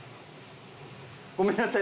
ごめんなさい